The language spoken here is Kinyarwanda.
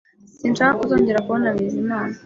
Sinshaka ko uzongera kubona Bizimana